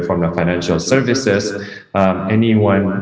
perusahaan finansial apakah dari seseorang yang